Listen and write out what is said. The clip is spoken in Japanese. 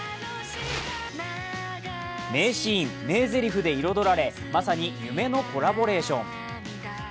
名シーン、名ぜりふで彩られまさに夢のコラボレーション。